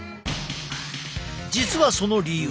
実はその理由